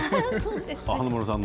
華丸さんの。